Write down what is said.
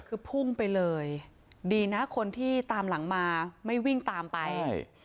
คือพุ่งไปเลยดีนะคนที่ตามหลังมาไม่วิ่งตามไปใช่